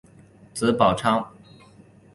子宝昌。